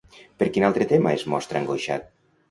Per quin altre tema es mostra angoixat?